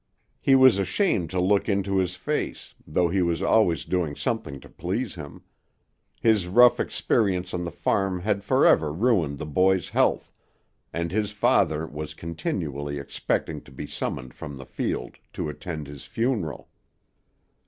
He was ashamed to look into his face, though he was always doing something to please him. His rough experience on the farm had forever ruined the boy's health, and his father was continually expecting to be summoned from the field to attend his funeral.